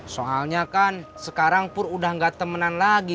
soalnya kan sekarang pun udah gak temenan lagi